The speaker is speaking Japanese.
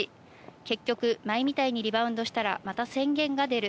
結局、前みたいにリバウンドしたらまた宣言が出る。